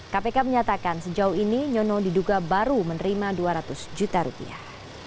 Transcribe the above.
kpk menyatakan sejauh ini nyono diduga baru menerima dua ratus juta rupiah